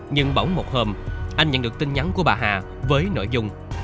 nhưng bỏng một hôm anh nhận được tin nhắn của bà hà với nội dung